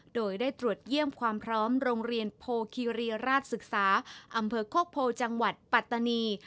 โดยได้ตรวจเยี่ยมความพร้อมโรงเรียนโพคีรีราชศึกษาอำเภอโคกโพจังหวัดปัตตานี